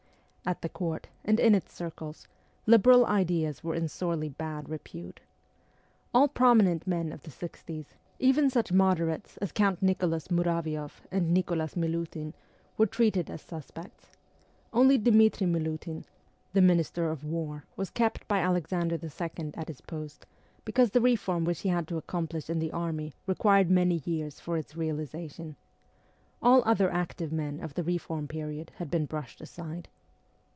At the Court, and in its circles, liberal ideas were in sorely bad repute. All prominent men of the sixties, even such moderates as Count Nicholas Muravioff and Nicholas Milutin, were treated as sus pects. Only Dmitri Milutin, the Minister of War, was kept by Alexander II. at his post, because the reform which he had to accomplish in the army required many years for its realization. All other active men of the reform period had been brushed aside.